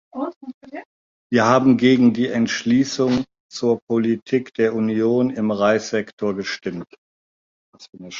Wir haben gegen die Entschließung zur Politik der Union im Reissektor gestimmt.